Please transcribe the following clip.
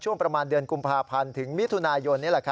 ประมาณเดือนกุมภาพันธ์ถึงมิถุนายน